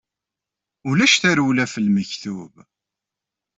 Ulac tarewla ɣef lmektub.